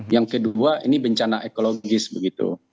yang kedua ini bencana ekologis begitu